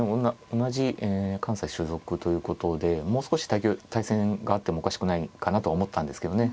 同じ関西所属ということでもう少し対戦があってもおかしくないかなとは思ったんですけどね。